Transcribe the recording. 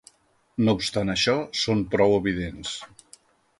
No obstant això, són prou evidents.